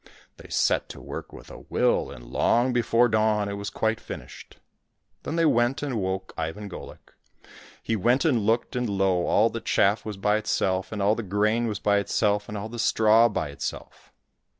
They set to work with a will, and long before dawn it was quite finished. Then they went and awoke Ivan Golik. He went and looked, and lo ! all the chaff was by itself, and all the grain was by itself, and all the straw by itself